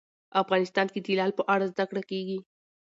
افغانستان کې د لعل په اړه زده کړه کېږي.